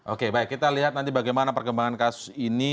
oke baik kita lihat nanti bagaimana perkembangan kasus ini